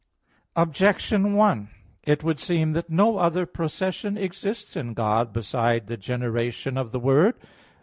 Objection 1: It would seem that no other procession exists in God besides the generation of the Word.